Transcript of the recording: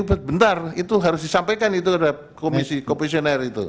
bentar itu harus disampaikan itu kepada komisi komisioner itu